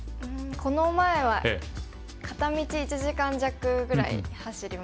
この前は片道１時間弱ぐらい走りました。